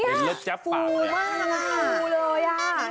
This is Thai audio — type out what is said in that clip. เห็นแล้วแจ๊บปากนะ